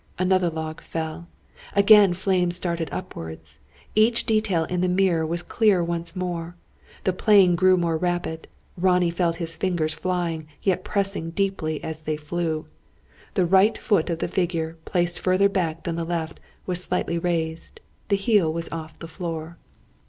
Another log fell. Again flames darted upwards. Each detail in the mirror was clear once more. The playing grew more rapid. Ronnie felt his fingers flying, yet pressing deeply as they flew. The right foot of the figure, placed further back than the left, was slightly raised. The heel was off the floor.